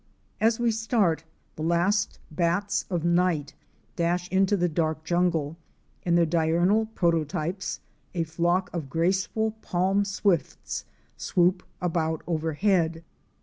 As we start, the last bats of night dash into the dark jungle, and their diurnal prototypes, a flock of graceful Palm Swifts," swoop about overhead.